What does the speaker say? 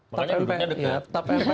makanya duduknya dekat